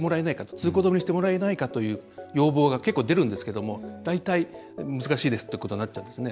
通行止めにしてもらえないかという要望が結構、出るんですけど大体、難しいですということになってるんですね。